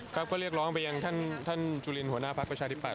ครับก็เรียกร้องไปยังท่านจุลินหัวหน้าพักประชาธิปัต